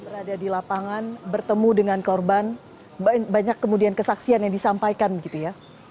berada di lapangan bertemu dengan korban banyak kemudian kesaksian yang disampaikan begitu ya